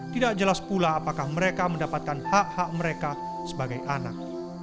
tidak jelas pula apakah mereka mendapatkan hak hak mereka sebagai anak